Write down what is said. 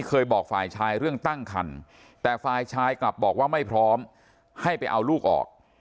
เคยบอกฝ่ายชายเรื่องตั้งคันแต่ฝ่ายชายกลับบอกว่าไม่พร้อมให้ไปเอาลูกออก